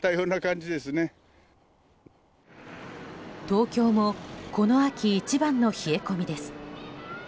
東京もこの秋一番の冷え込みです。